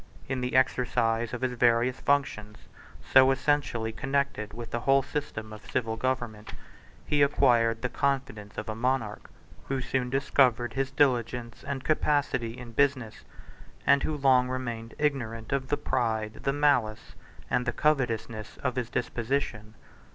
In the exercise of his various functions, so essentially connected with the whole system of civil government, he acquired the confidence of a monarch, who soon discovered his diligence and capacity in business, and who long remained ignorant of the pride, the malice, and the covetousness of his disposition.